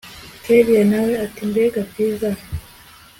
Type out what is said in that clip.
kellia nawe ati mbega byiza